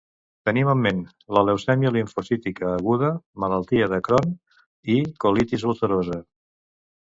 Tenim en ment la leucèmia limfocítica aguda, malaltia de Crohn i colitis ulcerosa.